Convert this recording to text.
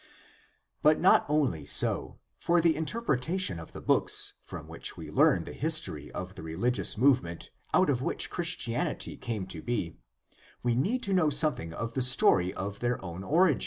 But not only so; for the interpretation of the books from which we learn the history of this religious movement out of which Christianity came to be we need to know something of the story of their own origin (cf.